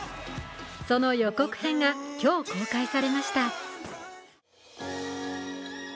その予告編が今日、公開されました